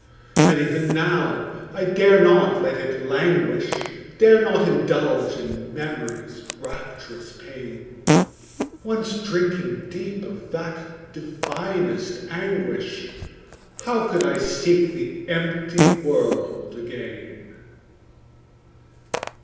And even now, I dare not let it languish, Dare not indulge in Memory's rapturous pain; Once drinking deep of that divinest anguish, How could I seek the empty world again?